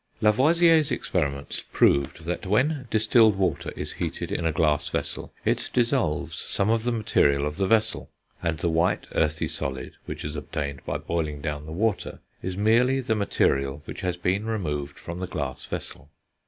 Lavoisier's experiments proved that when distilled water is heated in a glass vessel, it dissolves some of the material of the vessel, and the white, earthy solid which is obtained by boiling down the water is merely the material which has been removed from the glass vessel.